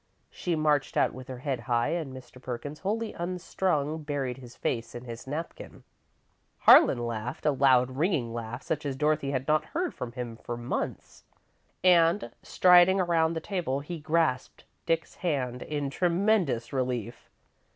She marched out with her head high, and Mr. Perkins, wholly unstrung, buried his face in his napkin. Harlan laughed a loud, ringing laugh, such as Dorothy had not heard from him for months, and striding around the table, he grasped Dick's hand in tremendous relief.